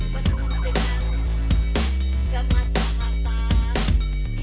penuh dengan kemasyarakat